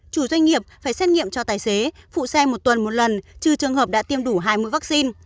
chủ doanh nghiệp phải xét nghiệm cho tài xế phụ xe một tuần một lần trừ trường hợp đã tiêm đủ hai mũi vaccine